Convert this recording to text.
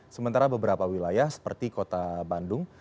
sementara beberapa wilayah seperti kota bandung